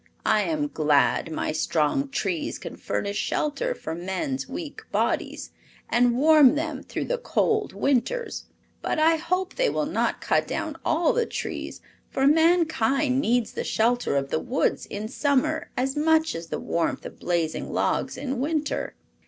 I am glad my strong trees can furnish shelter for men's weak bodies, and warm them through the cold winters. But I hope they will not cut down all the trees, for mankind needs the shelter of the woods in summer as much as the warmth of blazing logs in winter.